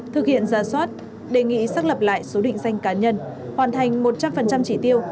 thực hiện ra soát đề nghị xác lập lại số định danh cá nhân hoàn thành một trăm linh chỉ tiêu